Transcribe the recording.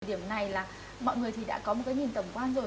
thời điểm này là mọi người thì đã có một cái nhìn tầm quan rồi